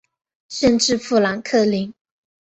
县治富兰克林。